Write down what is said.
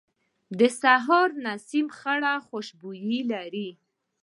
د سهار نسیم خړه خوشبويي لري